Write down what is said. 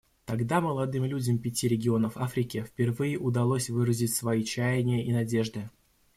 Тогда молодым людям пяти регионов Африки впервые удалось выразить свои чаяния и надежды.